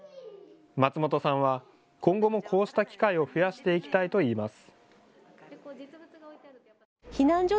松本さんは今後もこうした機会を増やしていきたいといいます。